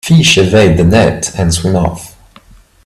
Fish evade the net and swim off.